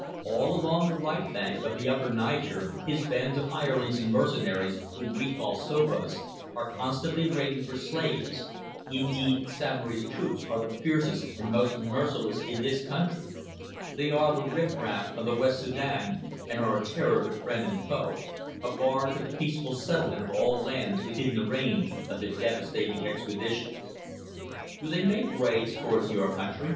All along the right bank of the Upper Niger his bands of hirelings and mercenaries, whom we call Sofas, are constantly raiding for slaves. Indeed Samory's troops are the fiercest and most merciless in this country. They are the riff raff of the West Soudan and are a terror to friend and foe, a bar to the peaceful settlement of all lands within the range of their devastating expeditions." "Do they make raids towards your country?"